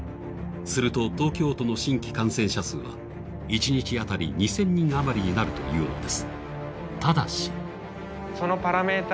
すると、東京都の新規感染者数は一日当たり２０００人余りになるというのです。